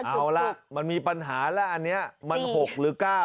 เอาล่ะมันมีปัญหาแล้วอันนี้มัน๖หรือ๙